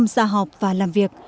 ra học và làm việc